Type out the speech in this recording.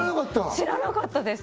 知らなかったです